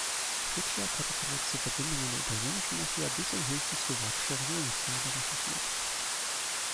Kuciak hatte zuletzt zu Verbindungen der italienischen Mafia bis in höchste slowakische Regierungskreise recherchiert.